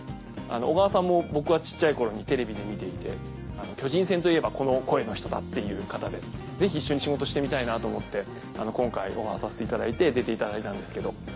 小川さんも僕は小っちゃい頃にテレビで見ていて巨人戦といえばこの声の人だっていう方でぜひ一緒に仕事してみたいなと思って今回オファーさせていただいて出ていただいたんですけど。